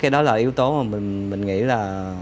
đó là yếu tố mà mình nghĩ là